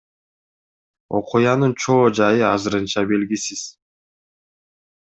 Окуянын чоо жайы азырынча белгисиз.